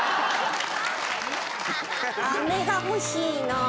飴が欲しいなぁ。